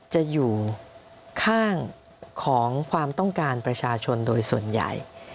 จะอยู่ข้างของความต้องการประชาชนโดยส่วนใหญ่